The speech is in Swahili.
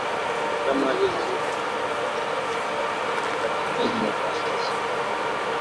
Ndama aliezaliwa na ngombe ambaye hajawahi kuzaa anakuwa kwenye hatari zaidi ya kuhara